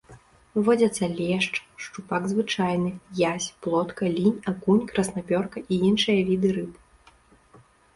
Водзяцца лешч, шчупак звычайны, язь, плотка, лінь, акунь, краснапёрка і іншыя віды рыб.